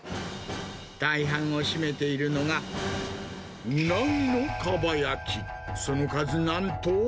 大半を占めているのが、ウナギのかば焼き、その数、なんと。